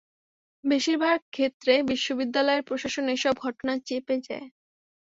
বেশির ভাগ ক্ষেত্রে বিশ্ববিদ্যালয় প্রশাসন এসব ঘটনা চেপে যায়।